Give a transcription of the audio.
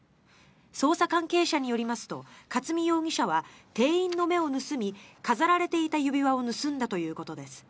捜査関係者によりますと勝見容疑者は店員の目を盗み飾られていた指輪を盗んだということです。